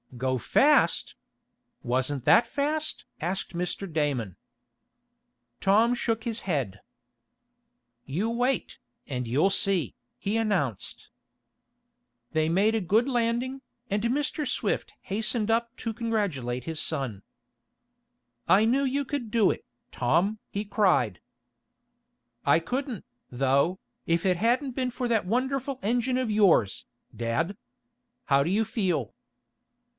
"Go fast! Wasn't that fast?" asked Mr. Damon. Tom shook his head. "You wait, and you'll see," he announced. They made a good landing, and Mr. Swift hastened up to congratulate his son. "I knew you could do it, Tom!" he cried. "I couldn't, though, if it hadn't been for that wonderful engine of yours, dad! How do you feel?"